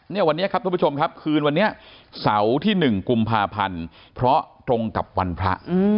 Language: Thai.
เนี่ยวันนี้ครับทุกผู้ชมครับคืนวันนี้เสาร์ที่๑กุมภาพันธ์เพราะตรงกับวันพระ